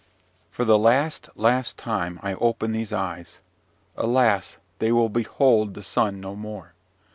"For the last, last time I open these eyes. Alas! they will behold the sun no more.